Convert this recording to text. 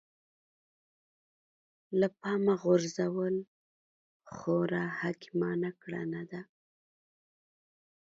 له پامه غورځول خورا حکيمانه کړنه ده.